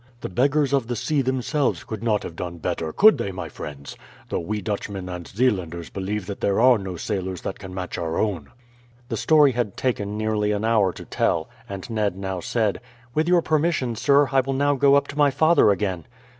The beggars of the sea themselves could not have done better, could they, my friends? though we Dutchmen and Zeelanders believe that there are no sailors that can match our own." The story had taken nearly an hour to tell, and Ned now said: "With your permission, sir, I will now go up to my father again."